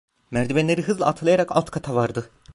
Merdivenleri hızla atlayarak alt kata vardı.